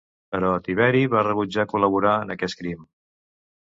Però Tiberi va rebutjar col·laborar en aquest crim.